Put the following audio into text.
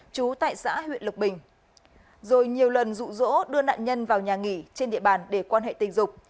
chú tại xã huyện lộc bình rồi nhiều lần rụ rỗ đưa nạn nhân vào nhà nghỉ trên địa bàn để quan hệ tình dục